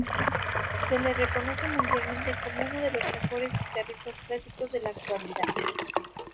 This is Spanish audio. Se lo reconoce mundialmente como uno de los mejores guitarristas clásicos de la actualidad.